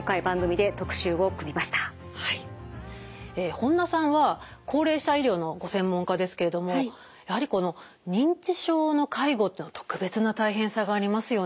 本田さんは高齢者医療のご専門家ですけれどもやはりこの認知症の介護っていうのは特別な大変さがありますよね。